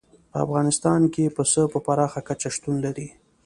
په افغانستان کې پسه په پراخه کچه شتون لري.